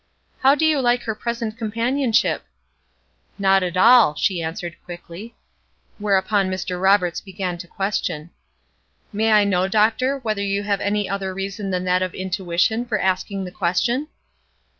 "How do you like her present companionship?" "Not at all," she answered, quickly. Whereupon Mr. Roberts began to question. "May I know, doctor, whether you have any other reason than that of intuition for asking the question?"